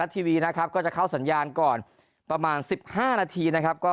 ทีวีนะครับก็จะเข้าสัญญาณก่อนประมาณ๑๕นาทีนะครับ